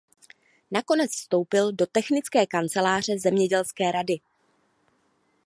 Nakonec vstoupil do technické kanceláře zemědělské rady.